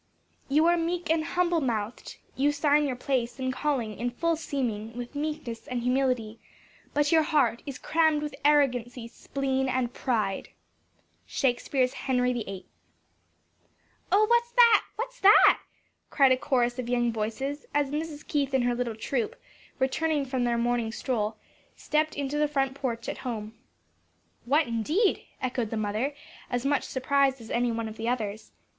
"You are meek and humble mouth'd; You sign your place and calling, in full seeming, With meekness and humility; but your heart Is cramm'd with arrogancy, spleen, and pride." SHAKS. HENRY VIIITH. "OH, what's that? what's that?" cried a chorus of young voices, as Mrs. Keith and her little troop, returning from their morning stroll, stepped into the front porch at home. "What indeed!" echoed the mother, as much surprised as any one of the others.